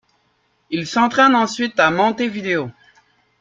Il s'entraîne ensuite à Montevideo.